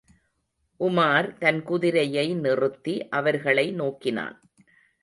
உமார் தன் குதிரையை நிறுத்தி, அவர்களை நோக்கினான்.